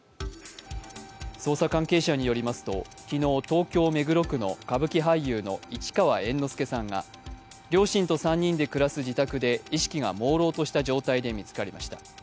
捜査関係者によりますと昨日、東京・目黒区の歌舞伎俳優市川猿之助さんが両親と３人で暮らす自宅で意識がもうろうとした状態で見つかりました。